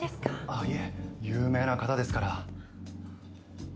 あっいえ有名な方ですから。